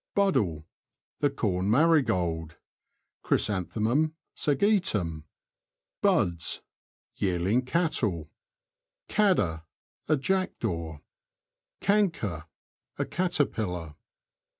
BUDDLE. — The corn marigold {Chrysanthemum sege tum). Buds. — Yearling cattle. Cadder. — A jackdaw. Canker. — A caterpillar.